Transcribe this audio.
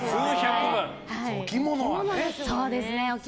お着物はね。